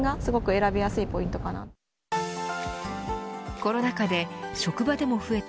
コロナ禍で職場でも増えた